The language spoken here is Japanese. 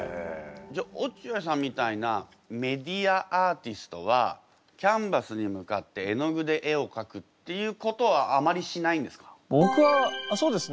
じゃあ落合さんみたいなメディアアーティストはキャンバスに向かって絵の具で絵をかくっていうことはあまりしないんですか？